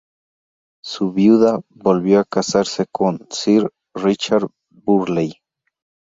Su viuda volvió a casarse con Sir Richard Burley.